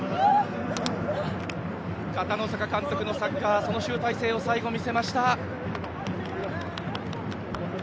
片野坂監督のサッカーその集大成を最後、見せました。